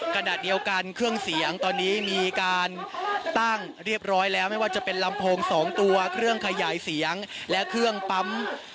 ขณะเดียวกันเครื่องเสียงตอนนี้มีการตั้งเรียบร้อยแล้วไม่ว่าจะเป็นลำโพง๒ตัวเครื่องขยายเสียงและเครื่องปั๊ม